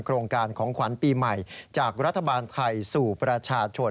โครงการของขวัญปีใหม่จากรัฐบาลไทยสู่ประชาชน